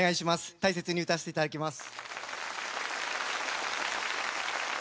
大切に歌わせていただきます。